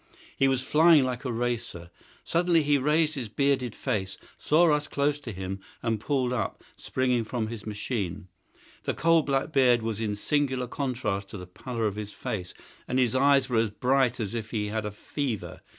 He was flying like a racer. Suddenly he raised his bearded face, saw us close to him, and pulled up, springing from his machine. That coal black beard was in singular contrast to the pallor of his face, and his eyes were as bright as if he had a fever.